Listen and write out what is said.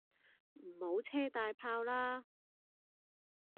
唔好車大炮啦